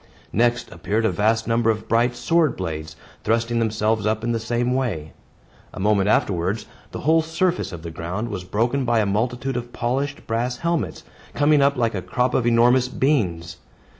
Next appeared a vast number of bright sword blades, thrusting themselves up in the same way. A moment afterwards, the whole surface of the ground was broken by a multitude of polished brass helmets, coming up like a crop of enormous beans.